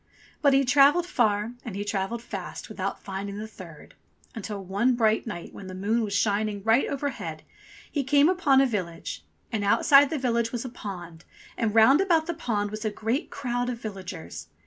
But he travelled far, and he travelled fast without finding the third, until one bright night when the moon was shining right overhead he came upon a village. And outside the village was a pond, and round about the pond was a great crowd of villagers.